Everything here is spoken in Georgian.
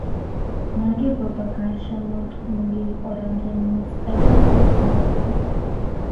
ნაგებობა გარშემორტყმული იყო რამდენიმე წყება ხის მორებით.